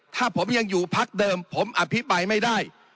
ถ้าผมยังอยู่พักเดิมผมอภิปรายไม่ได้